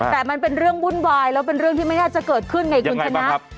แต่มันเป็นเรื่องวุ่นวายแล้วเป็นเรื่องที่ไม่น่าจะเกิดขึ้นไงคุณชนะ